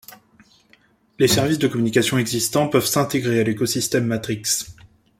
Les services de communication existants peuvent s'intégrer à l'écosystème Matrix.